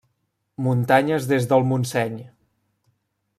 Muntanyes des del Montseny.